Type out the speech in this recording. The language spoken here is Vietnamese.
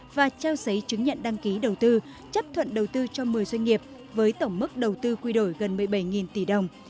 và trao giấy chứng nhận đăng ký đầu tư chấp thuận đầu tư cho một mươi doanh nghiệp với tổng mức đầu tư quy đổi gần một mươi bảy tỷ đồng